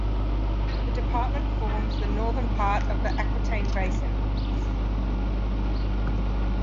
The department forms the northern part of the Aquitaine Basin.